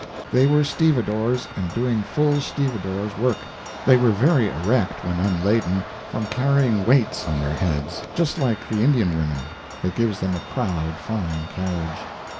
They were stevedores and doing full stevedore's work. They were very erect when unladden from carrying weights on their heads just like the Indian women. It gives them a proud fine carriage.